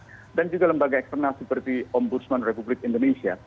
dan yang keempat adalah lembaga eksternal seperti ombudsman republik indonesia